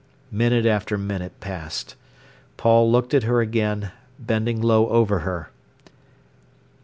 Minute after minute passed. Paul looked at her again, bending low over her.